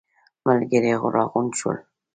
ملګري راغونډ شول.